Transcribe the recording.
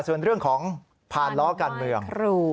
ส่วนเรื่องของผ่านล้อการเมือง